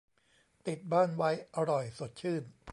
ติดบ้านไว้อร่อยสดชื่น